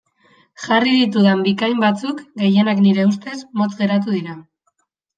Jarri ditudan bikain batzuk, gehienak nire ustez, motz geratu dira.